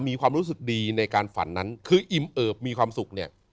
มีความรู้สึกดีในการฝันนั้นคืออิ่มเอิบมีความสุขเนี่ย